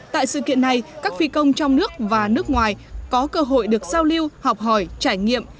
tại sự kiện này các phi công trong nước và nước ngoài có cơ hội được giao lưu học hỏi trải nghiệm